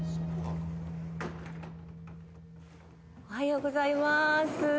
おはようございます。